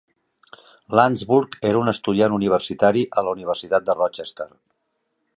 Landsburg era un estudiant universitari a la Universitat de Rochester.